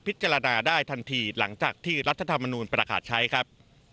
พิจารณาได้ทันทีหลังจากที่รัฐธรรมนูลประกาศใช้ครับ